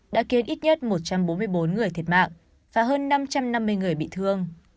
đã khiến ít nhất một trăm bốn mươi bốn người thiệt mạng và hơn năm trăm năm mươi người bị thương